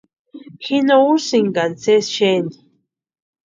Ji no úsïnka sési xeni.